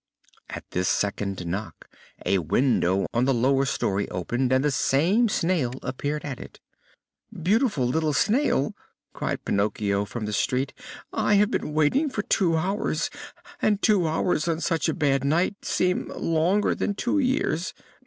At this second knock a window on the lower story opened and the same Snail appeared at it. "Beautiful little Snail," cried Pinocchio from the street, "I have been waiting for two hours! And two hours on such a bad night seem longer than two years.